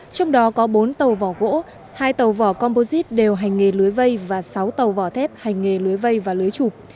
trong đó có bốn tàu vỏ gỗ hai tàu vỏ composite đều hành nghề lưới vây và sáu tàu vỏ thép hành nghề lưới vây và lưới chụp